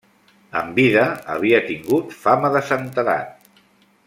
En vida havia tingut fama de santedat.